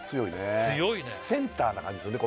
強いねセンターな感じするね